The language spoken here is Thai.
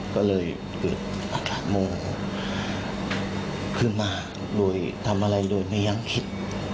ก็เลยเกิดอัตถโมขึ้นมาโดยทำอะไรโดยไม่ยังคิด